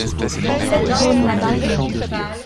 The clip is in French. Cette jaune là-bas.